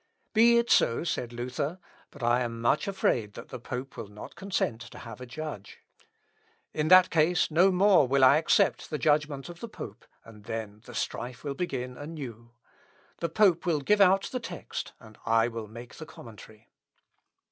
"Be it so," said Luther, "but I am much afraid that the pope will not consent to have a judge. In that case no more will I accept the judgment of the pope, and then the strife will begin anew. The pope will give out the text, and I will make the commentary."